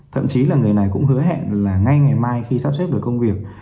thậm chí là người này cũng hứa hẹn là ngay ngày mai khi sắp xếp được công việc